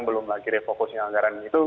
belum lagi refocusnya anggaran itu